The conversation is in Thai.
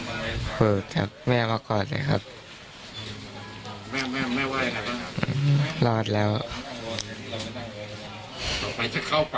ต่อไปจะเข้าป่าอีกไหมครับเนี่ย